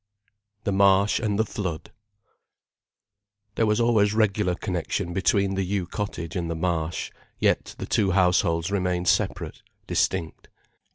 THE MARSH AND THE FLOOD There was always regular connection between the Yew Cottage and the Marsh, yet the two households remained separate, distinct.